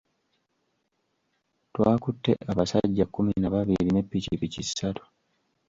Twakutte abasajja kumi na babiri ne ppikipiki ssatu.